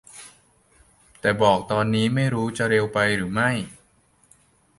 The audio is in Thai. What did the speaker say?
แต่บอกตอนนี้ไม่รู้จะเร็วไปหรือไม่